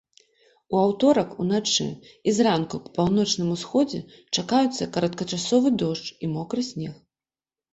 У аўторак уначы і зранку па паўночным усходзе чакаюцца кароткачасовы дождж і мокры снег.